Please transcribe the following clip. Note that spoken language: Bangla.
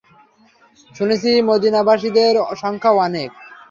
শুনেছি মদীনাবাসীদের সংখ্যা অনেক।